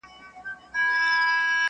هغه د شنې ویالې پر څنډه شنه ولاړه ونه.!